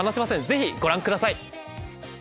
ぜひご覧ください。